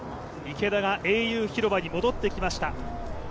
池田が英雄広場に戻ってきました。